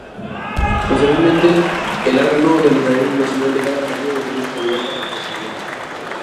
Posteriormente, el Órgano Deliberativo Nacional de cada partido definió su candidato a vicepresidente.